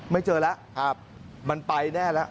ไม่เจอแล้วมันไปแน่แล้ว